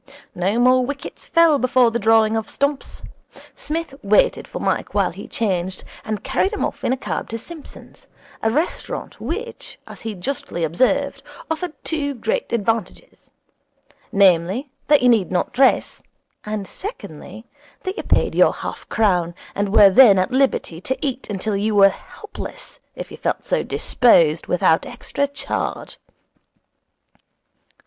No more wickets fell before the drawing of stumps. Psmith waited for Mike while he changed, and carried him off in a cab to Simpson's, a restaurant which, as he justly observed, offered two great advantages, namely, that you need not dress, and, secondly, that you paid your half crown, and were then at liberty to eat till you were helpless, if you felt so disposed, without extra charge.